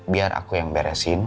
biar aku yang beresin